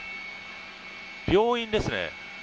病院ですね。